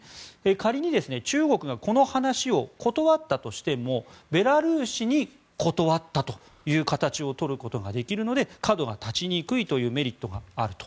仮に中国がこの話を断ったとしてもベラルーシに断ったという形を取ることができるので角が立ちにくいというメリットがあると。